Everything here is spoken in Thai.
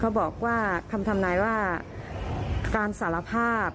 บอกว่าคำทำนายว่าการสารภาพ